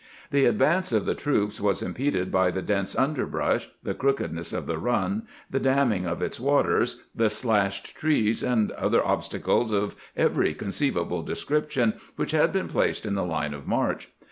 The advance of the troops 'was impeded by the dense underbrush, the crookedness of the Run, the damming of its waters, the slashed trees, and other obstacles of every conceivable description which had been placed in the line of march.